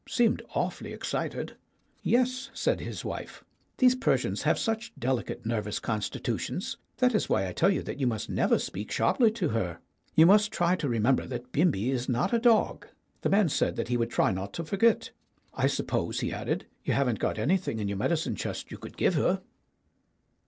Seemed awfully ex cited." "Yes," said his wife, "these Persians have such delicate nervous constitutions. That is why I tell you that you must never speak sharply to her. You must try to remember that Bimbi is not a dog." The man said that he would try not to forget. "I ONE STONE 85 suppose," he added, "you haven't got anything in your medicine chest you could give her."